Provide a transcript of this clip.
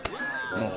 ああ！